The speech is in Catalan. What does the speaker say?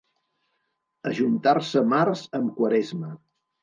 Ajuntar-se març amb Quaresma.